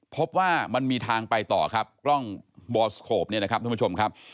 พบว่ามันมีทางไปต่อครับกล้องบอสโคปเนี่ยนะครับท่านผู้ชมครับ